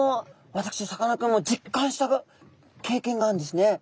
私さかなクンも実感した経験があるんですね。